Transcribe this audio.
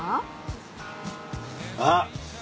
あっ。